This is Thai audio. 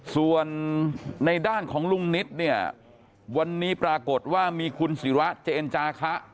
ส่วนในด้านของลุงนิตเนี่ยวันนี้ปรากฏว่ามีคุณศิระเจนจาคะ